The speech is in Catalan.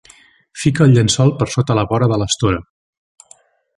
Fica el llençol per sota la vora de l'estora.